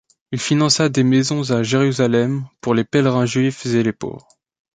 Il finança des maisons à Jérusalem pour les pèlerins juifs et les pauvres.